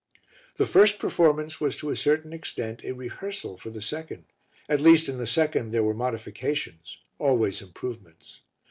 The first performance was to a certain extent a rehearsal for the second, at least in the second there were modifications always improvements.